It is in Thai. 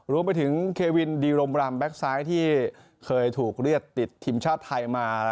รวมไปถึงเควินดีรมรำแก๊กซ้ายที่เคยถูกเรียกติดทีมชาติไทยมา